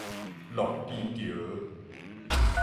堉琪橋